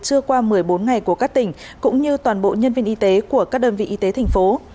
trưa qua một mươi bốn ngày của các tỉnh cũng như toàn bộ nhân viên y tế của các đơn vị y tế thành phố